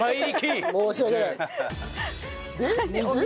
申し訳ない！で水？